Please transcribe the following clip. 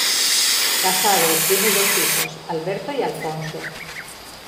Casado, tiene dos hijos, Alberto y Alfonso.